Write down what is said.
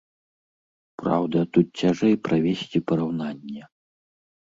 Праўда, тут цяжэй правесці параўнанне.